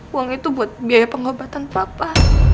uang itu buat biaya pengobatan papa